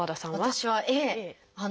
私はＡ。